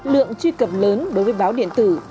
lượng truy cập lớn đối với báo điện tử